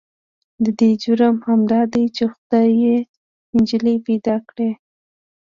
د دې جرم همدا دی چې خدای يې نجلې پيدا کړې.